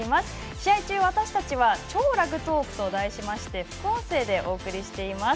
試合中、私たちは「超ラグトーク」と題して副音声でお送りしています。